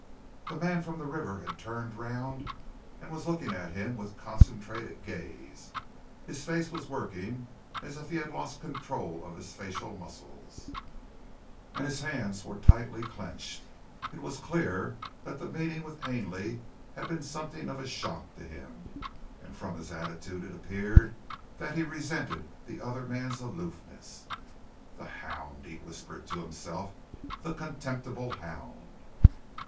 The man from the river had turned round and was looking at him with concentrated gaze. His face was working as if he had lost control of his facial muscles, and his hands were tightly clenched. It was clear that the meeting with Ainley had been something of a shock to him, and from his attitude it appeared that he resented the other man's aloofness. "The hound!" he whispered to himself, "the contemptible hound!"